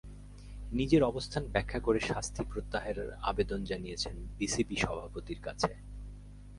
নিজের অবস্থান ব্যাখ্যা করে শাস্তি প্রত্যাহারের আবেদন জানিয়েছেন বিসিবি সভাপতির কাছে।